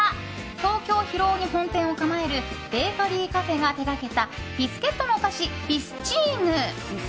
東京・広尾に本店を構えるベーカリーカフェが手掛けたビスケットのお菓子ビスチィーヌ。